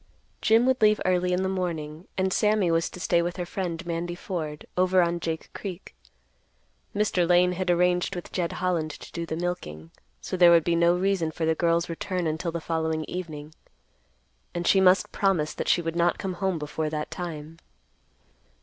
Jim would leave early in the morning, and Sammy was to stay with her friend, Mandy Ford, over on Jake Creek. Mr. Lane had arranged with Jed Holland to do the milking, so there would be no reason for the girl's return until the following evening, and she must promise that she would not come home before that time.